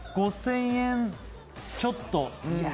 ５０００円ちょっと。